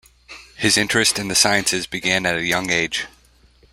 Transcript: His interest in the sciences began at a young age.